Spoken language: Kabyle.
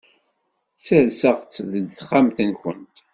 Serseɣ-tt deg texxamt-nkent.